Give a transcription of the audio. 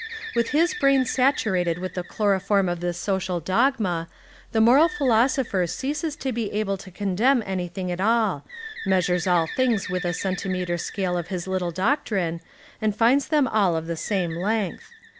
With his brain saturated with the chloroform of this social dogma, the moral philosopher 56 The Devil and the Deep Sea ceases to be able to condemn anything at all, measures all things with a centimetre scale of his little doctrine, and finds them all of the same length.